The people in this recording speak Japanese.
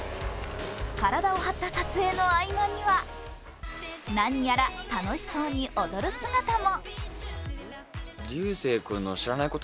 体を張った撮影の合間には、何やら楽しそうに踊る姿も。